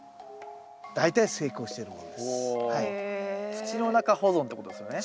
土の中保存ってことですよね。